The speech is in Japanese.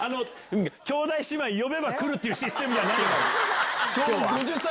兄弟姉妹呼べば来るっていうシステムじゃないのよ！